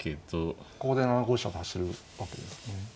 ここで７五飛車と走るわけですね。